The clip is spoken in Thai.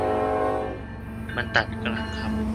มันตัดกลางคำ